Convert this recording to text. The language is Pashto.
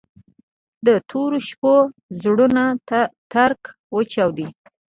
د تورو شپو زړونه ترک وچاودي